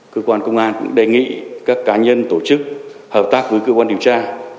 cơ quan công an cũng đề nghị các cá nhân tổ chức hợp tác với cơ quan điều tra